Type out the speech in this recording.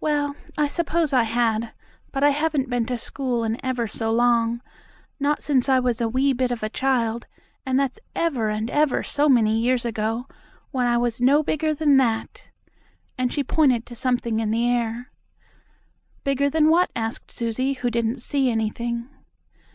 "Well, I suppose I had, but I haven't been to school in ever so long not since I was a wee bit of a child, and that's ever and ever so many years ago, when I was no bigger than that," and she pointed to something in the air. "Bigger than what?" asked Susie, who didn't see anything.